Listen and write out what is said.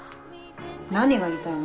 何が言いたいの？